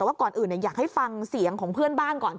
แต่ว่าก่อนอื่นอยากให้ฟังเสียงของเพื่อนบ้านก่อน